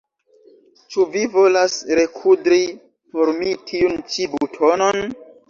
Ĉu vi volas rekudri por mi tiun ĉi butonon?